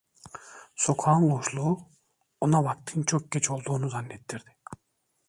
Sokağın loşluğu ona vaktin çok geç olduğunu zannettirdi.